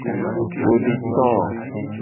Wo di to wo.